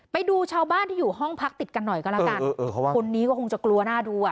ไปดูชาวบ้านที่อยู่ห้องพักติดกันหน่อยก็แล้วกันคนนี้ก็คงจะกลัวน่าดูอ่ะ